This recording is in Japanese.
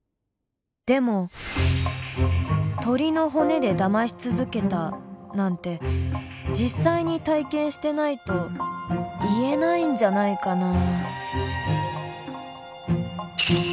でも鶏の骨でだまし続けたなんて実際に体験してないと言えないんじゃないかな。